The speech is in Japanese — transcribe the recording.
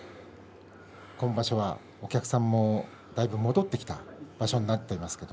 今場所はお客さんもだいぶ戻ってきたという場所になりました。